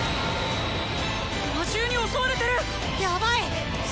魔獣に襲われてる⁉ヤバいっ！